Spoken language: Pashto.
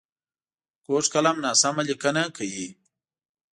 کوږ قلم ناسمه لیکنه کوي